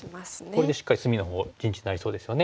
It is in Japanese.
これでしっかり隅のほう陣地になりそうですよね。